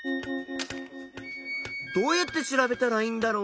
どうやって調べたらいいんだろう。